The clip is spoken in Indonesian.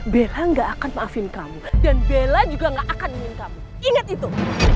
bella gak akan maafin kamu dan bella juga gak akan ingin kamu ingat itu